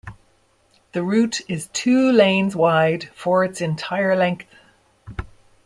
The route is two lanes wide for its entire length.